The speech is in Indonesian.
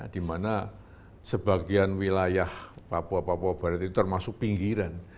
dimana sebagian wilayah papua papua barat itu termasuk pinggiran